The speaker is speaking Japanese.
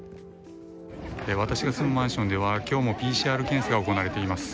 私が住むマンションでは今日もＰＣＲ検査が行われています。